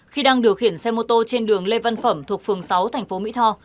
khi đang điều khiển xe mô tô trên đường lê văn phẩm thuộc phường sáu thành phố mỹ tho